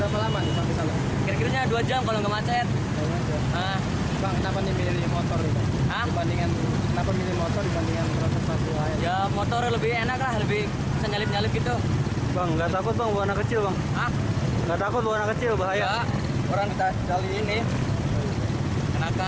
bang gak takut bang warna kecil bang